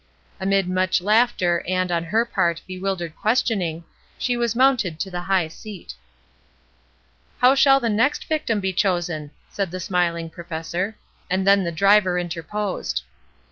Amid much laughter and, on her part, bewildered questioning, she was movmted to the high seat. 122 ESTER RIED'S NAMESAKE '*How shall the next victim be chosen?" asked the smiling professor. And then the driver interposed.